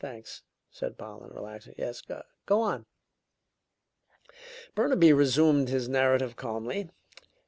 "Thanks!" said Pollen, relaxing. "Yes go on!" Burnaby resumed his narrative calmly.